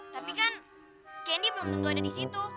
tapi kan candy belum tentu ada disitu